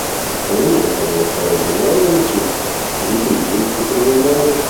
Ma non mancano le storie di amore e amicizia,i litigi,i primi amori...